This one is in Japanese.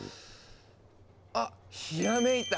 あっひらめいた。